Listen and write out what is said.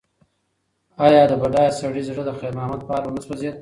ایا د بډایه سړي زړه د خیر محمد په حال ونه سوځېد؟